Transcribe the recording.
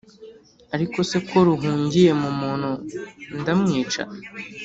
ariko se ko ruhungiye mu muntu, ndamwica?